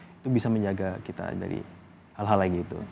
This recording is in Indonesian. itu bisa menjaga kita dari hal hal lagi itu